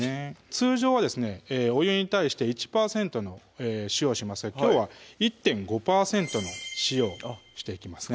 通常はですねお湯に対して１％の塩をしますがきょうは１．５％の塩をしていきますね